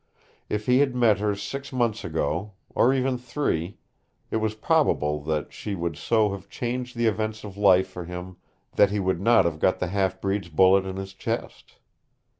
If he had met her six months ago or even three it was probable that she would so have changed the events of life for him that he would not have got the half breed's bullet in his chest.